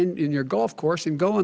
dan apa yang dia lakukan saat itu